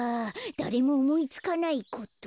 だれもおもいつかないこと？